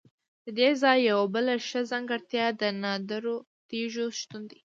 ددې ځای یوه بله ښه ځانګړتیا د نادرو تیږو شتون دی.